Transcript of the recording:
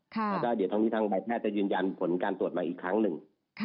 แล้วก็เดี๋ยวตรงนี้ทางใบแพทย์จะยืนยันผลการตรวจใหม่อีกครั้งหนึ่ง